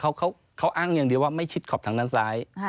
เขาอ้างอย่างเดียวว่าไม่ชิดขอบทางด้านซ้าย